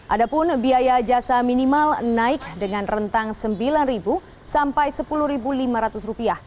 ada pun biaya jasa minimal naik dengan rentang rp sembilan sampai rp sepuluh lima ratus